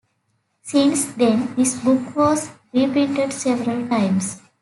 Since then this book was reprinted several times.